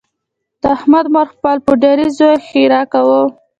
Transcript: د احمد مور خپل پوډري زوی ښیرأ کاوه.